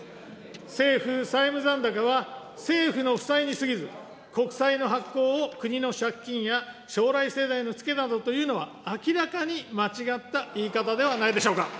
政府債務残高は政府の負債にすぎず、国債の発行を国の借金や将来世代へのつけなどというのは、明らかに間違った言い方ではないでしょうか。